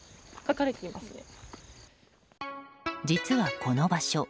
実はこの場所